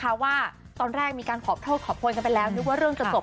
เพราะว่าตอนแรกมีการขอโทษขอโพยกันไปแล้วนึกว่าเรื่องจะจบ